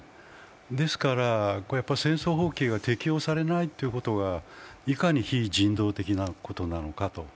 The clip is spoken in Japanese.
ですから戦争法規が適用されないということはいかに非人道的なことなのかと。